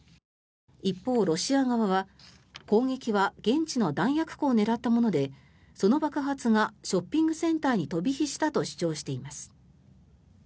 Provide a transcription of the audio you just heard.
一方、ロシア側は攻撃は現地の弾薬庫を狙ったものでその爆発がショッピングセンターに飛び火したと主張しています。